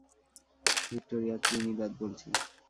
Victoria, Trinidad বলছি।